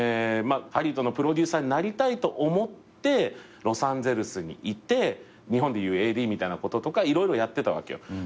ハリウッドのプロデューサーになりたいと思ってロサンゼルスにいて日本でいうＡＤみたいなこととか色々やってたわけよ。